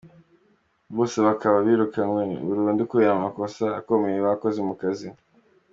Bose bakaba birukanwe burundu kubera amakosa akomeye bakoze mu kazi.